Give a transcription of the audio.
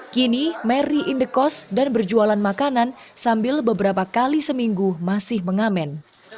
kini mary indekos dan berjualan makanan sambil beberapa kali seminggu masih mengamen